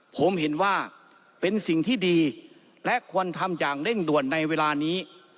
ผมเห็นว่าเป็นสิ่งที่ดีและควรทำอย่างเร่งด่วนในเวลานี้